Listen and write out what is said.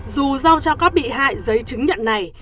dù giao cho góp bi hại giấy chứng nhận này